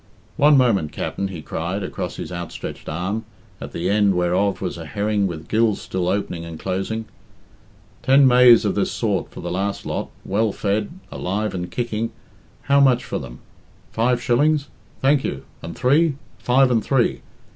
"One moment, Capt'n," he cried, across his outstretched arm, at the end whereof was a herring with gills still opening and closing. "Ten maise of this sort for the last lot, well fed, alive and kicking how much for them? Five shillings? Thank you and three, Five and three.